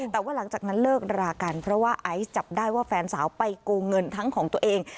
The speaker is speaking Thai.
แต่ว่าหลังจากนั้นเลิกรากันเพราะว่าไอซ์จับได้ว่าแฟนสาวไปโกงเงินทั้งของตัวเอง